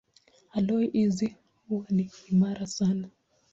Aloi hizi huwa ni imara sana.